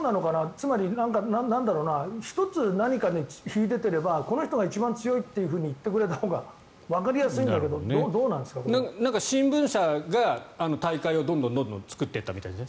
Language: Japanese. つまり、１つ何か秀でていればこの人が一番強いって言ってくれたほうがわかりやすいんだけど新聞社が大会をどんどん作っていったみたいです